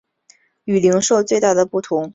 与零售最大的不同在于商品。